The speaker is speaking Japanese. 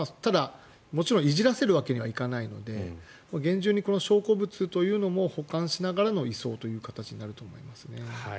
もちろんいじらせるわけにはいかないので厳重に証拠物というのも保管しながらの移送になると思いますね。